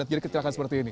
jadi kecelakaan seperti ini